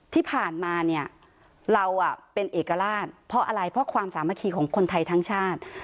ที่ผ่านมาเนี่ยเราเป็นเอกราชเพราะอะไรเพราะความสามัคคีของคนไทยทั้งชาติ